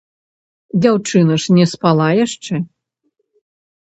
Дзяўчына ж не спала яшчэ.